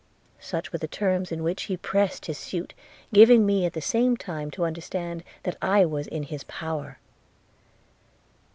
– Such were the terms in which he pressed his suit, giving me at the same time to understand that I was in his power.